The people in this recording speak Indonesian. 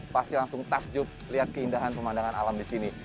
pasti langsung takjub lihat keindahan pemandangan alam di sini